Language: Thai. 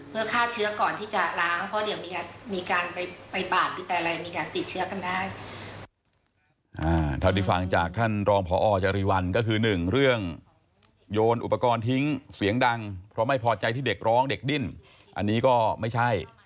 เพื่อฆ่าเชื้อก่อนที่จะล้างเพราะเดี๋ยวมีการไป